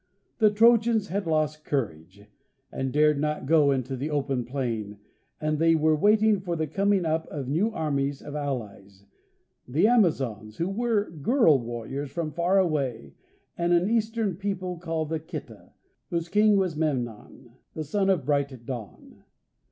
The Trojans had lost courage, and dared not go into the open plain, and they were waiting for the coming up of new armies of allies the Amazons, who were girl warriors from far away, and an Eastern people called the Khita, whose king was Memnon, the son of the Bright Dawn.